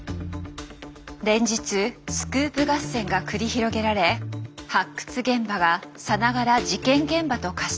連日スクープ合戦が繰り広げられ発掘現場がさながら事件現場と化していきます。